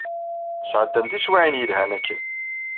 Sɛeddan tiswiɛin yelhan akken.